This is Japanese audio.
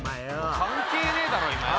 関係ねえだろ今。